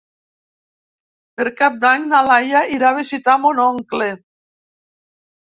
Per Cap d'Any na Laia irà a visitar mon oncle.